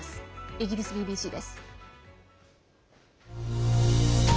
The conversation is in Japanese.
イギリスＢＢＣです。